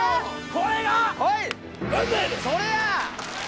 これが。それや！